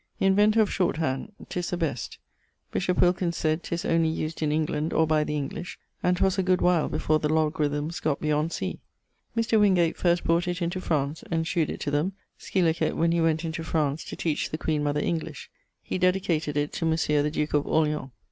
Inventor of Short hand, 'tis the best. Bishop Wilkins sayd, 'tis only used in England, or by the English; and 'twas a good while before the logarithmes gott beyond sea. Mr. Wingate first brought it into France, and shewed it to them; scil. when he went into France to teach the Queen Mother English; he dedicated it to Monsieur the duke of Orleans.